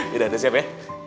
yaudah siap ya